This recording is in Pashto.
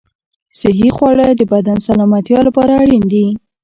صحي خواړه د بدن سلامتیا لپاره اړین دي.